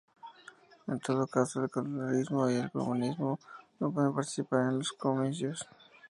En todo caso, el calderonismo y el comunismo no pueden participar en los comicios.